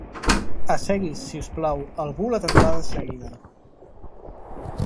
Assegui's, si us plau. Algú l'atendrà de seguida.